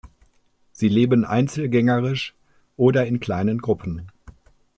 Sie leben einzelgängerisch oder in kleinen Gruppen.